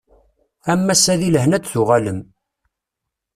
Am wass-a di lehna ad d-tuɣalem.